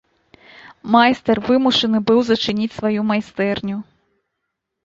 Майстар вымушаны быў зачыніць сваю майстэрню.